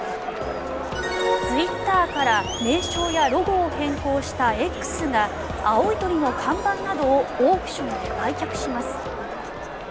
ツイッターから名称やロゴを変更したＸが青い鳥の看板などをオークションで売却します。